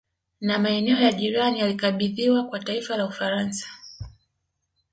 Na maeneo ya jirani yalikabidhiwa kwa taifa la Ufaransa